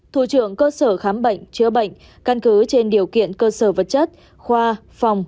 thủ trưởng cơ sở khám bệnh chữa bệnh căn cứ trên điều kiện cơ sở vật chất khoa phòng